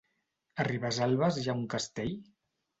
A Ribesalbes hi ha un castell?